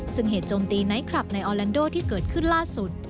ซึ่งเหตุโจมตีไนท์คลับในออแลนโดที่เกิดขึ้นล่าสุด